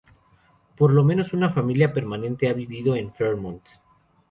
Por lo menos una familia permanente ha vivido en Fremont.